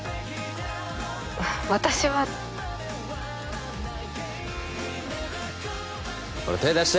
私はほら手出し